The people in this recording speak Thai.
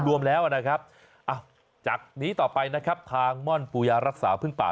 รวมแล้วนะครับจากนี้ต่อไปนะครับทางม่อนปูยารักษาพึ่งป่า